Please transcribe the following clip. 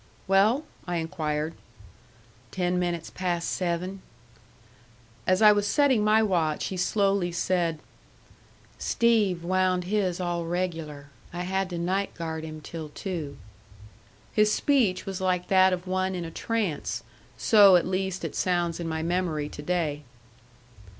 "Well?" I inquired. "Ten minutes past seven." As I was setting my watch he slowly said: "Steve wound his all regular. I had to night guard him till two." His speech was like that of one in a trance: so, at least, it sounds in my memory to day.